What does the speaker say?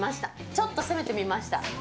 ちょっと攻めてみました。